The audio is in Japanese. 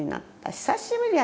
久しぶりや」